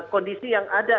kondisi yang ada